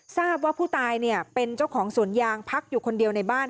ทราบว่าผู้ตายเป็นเจ้าของสวนยางพักอยู่คนเดียวในบ้าน